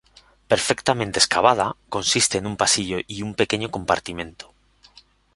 Perfectamente excavada, consiste en un pasillo y un pequeño compartimento.